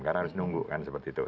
karena harus nunggu kan seperti itu